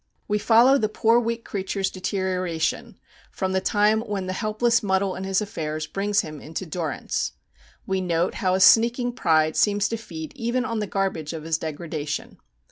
We follow the poor weak creature's deterioration from the time when the helpless muddle in his affairs brings him into durance. We note how his sneaking pride seems to feed even on the garbage of his degradation.